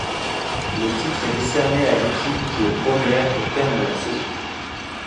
Le titre est décerné à l’équipe qui est première au terme de la saison.